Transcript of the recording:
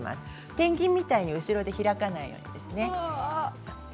ペンギンみたいに後ろで開かないように。